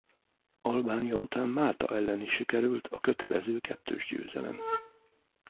Albánia után Málta ellen is sikerült a kötelező kettős győzelem.